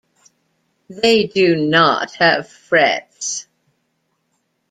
They do not have frets.